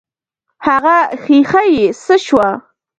هغه ښيښه يې څه سوه.